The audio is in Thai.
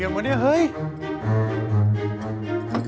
แบบเงินให้จริงนะ